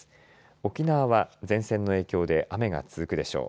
沖縄は前線の影響で雨が続くでしょう。